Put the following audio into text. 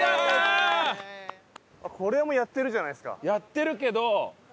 これもうやってるじゃないですか。